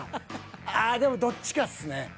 ああでもどっちかっすね。